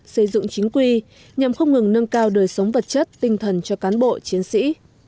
xây dựng chính quy nhằm không ngừng nâng cao đời sống vật chất tinh thần cho cán bộ chiến sĩ